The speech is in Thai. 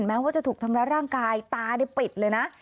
แม้ว่าจะถูกทำร้ายร่างกายตานี่ปิดเลยนะ